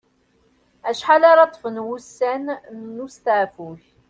Acḥal ara ṭṭfen wussan n usteɛfu-k?